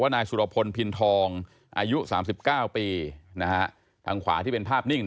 นายสุรพลพินทองอายุ๓๙ปีทางขวาที่เป็นภาพนิ่ง